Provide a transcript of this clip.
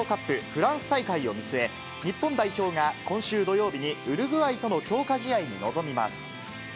フランス大会を見据え、日本代表が今週土曜日にウルグアイとの強化試合に臨みます。